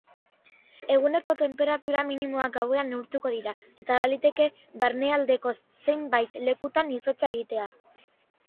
Eguneko tenperatura minimoak gauean neurtuko dira eta baliteke barnealdeko zenbait lekutan izotza egitea.